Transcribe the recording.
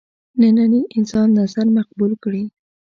ننني انسان نظر مقبول کړي.